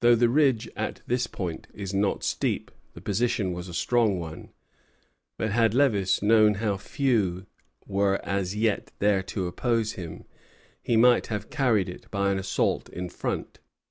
Though the ridge at this point is not steep, the position was a strong one; but had Lévis known how few were as yet there to oppose him, he might have carried it by an assault in front.